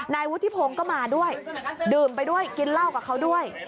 นายวุฒิพงศ์ก็มาด้วยดื่มไปด้วยกินเหล้ากับเขาด้วย